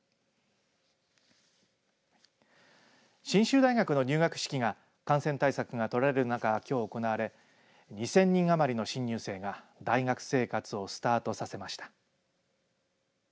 信州大学の入学式が感染対策が取られる中、きょう行われ２０００人余りの新入生が大学生活をスタートさせました。